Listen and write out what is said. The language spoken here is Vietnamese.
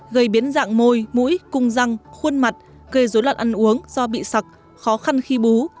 gây biến dạng môi mũi cung răng khuôn mặt gây dối loạn ăn uống do bị sặc khó khăn khi bú